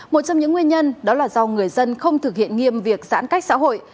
một trong những nguyên nhân đó là do người dân không thực hiện nghiêm việc giãn cách xã hội